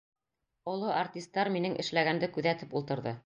Оло артистар минең эшләгәнде күҙәтеп ултырҙы.